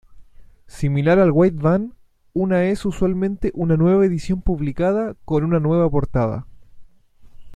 Similar al "wide-ban", una es usualmente una nueva edición publicada con una nueva portada.